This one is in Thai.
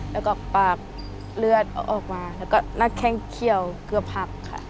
แล้วก็ปากเลือดเอาออกมาแล้วก็หน้าแข้งเขี้ยวเกือบผักค่ะ